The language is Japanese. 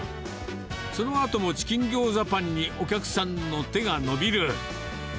そのあともチキンぎょうざパンにお客さんの手が伸びる。